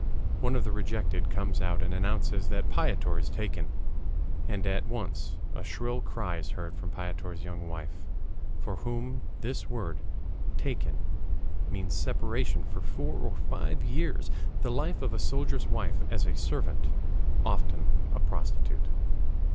One of the rejected comes out and announces that Piotr is taken, and at once a shrill cry is heard from Piotr's young wife, for whom this word "taken" means separation for four or five years, the life of a soldier's wife as a servant, often a prostitute.